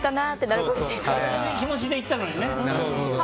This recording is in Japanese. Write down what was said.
軽い気持ちで言ったのにね。